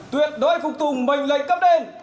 tuyệt đối phục tùng bệnh lệnh cấp đen